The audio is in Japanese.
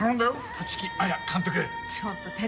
立木彩監督！